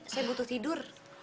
saya butuh tidur